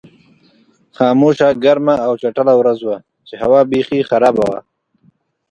خاموشه، ګرمه او چټله ورځ وه چې هوا بېخي خرابه وه.